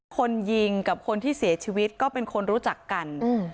คนยิงกับคนที่เสียชีวิตก็เป็นคนรู้จักกัน